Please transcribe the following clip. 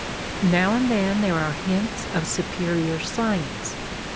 Now and then there are hints of superior science.